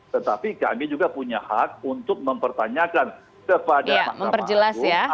tetapi kami juga punya hak untuk mempertanyakan kepada mahkamah agung